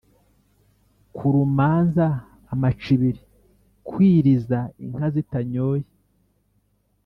Kurumanza amacibiri: Kwiriza inka zitanyoye.